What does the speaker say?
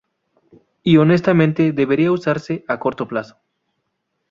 Y honestamente, deberían usarse a corto plazo".